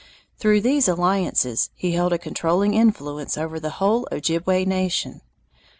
Through these alliances he held a controlling influence over the whole Ojibway nation.